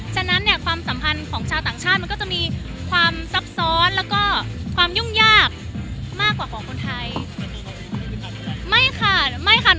ฉะนั้นเนี่ยความสัมพันธ์ของชาวต่างชาติมันก็จะมีความซับซ้อนแล้วก็ความยุ่งยากมากกว่าของคนไทย